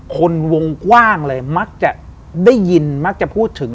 คนวงกว้างเลยมักจะได้ยินมักจะพูดถึง